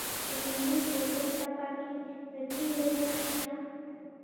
د کندز په ګل تپه کې د تیلو نښې شته.